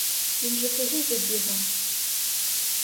Він же погубить його!